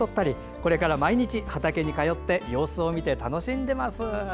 これから毎日畑に通って様子を見て楽しんでいます。